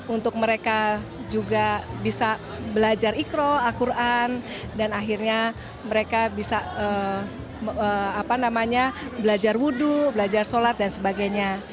untuk mereka juga bisa belajar ikro al quran dan akhirnya mereka bisa belajar wudhu belajar sholat dan sebagainya